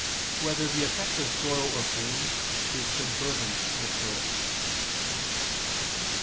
2] Whether the Effect of Sorrow or Pain Is to Burden the Soul?